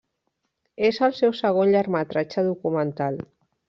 És el seu segon llargmetratge documental.